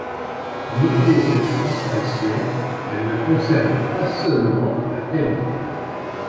Notez cette distinction: elle ne concerne pas seulement la qualité.